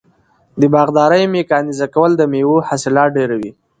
د باغدارۍ میکانیزه کول د میوو حاصلات ډیروي.